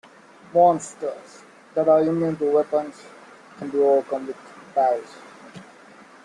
Monsters that are immune to weapons can be overcome with spells.